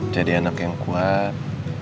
jadi anak yang kuat